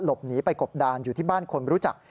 หลบหนีไปกบดานอยู่ที่บ้านคนรู้จัก